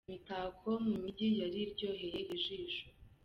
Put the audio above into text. Imitako mu Mujyi yari iryoheye ijisho.